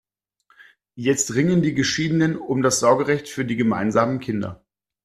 Jetzt ringen die Geschiedenen um das Sorgerecht für die gemeinsamen Kinder.